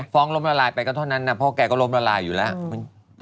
ล้มละลายไปก็เท่านั้นนะพ่อแกก็ล้มละลายอยู่แล้ว